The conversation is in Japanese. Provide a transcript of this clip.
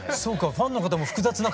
ファンの方も複雑な感じでね